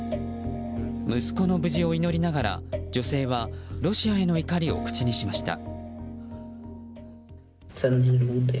息子の無事を祈りながら女性はロシアへの怒りを口にしました。